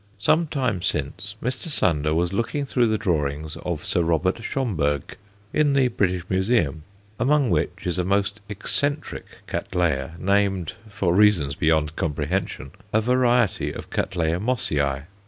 Some time since, Mr. Sander was looking through the drawings of Sir Robert Schomburgk, in the British Museum, among which is a most eccentric Cattleya named for reasons beyond comprehension a variety of C. Mossiæ.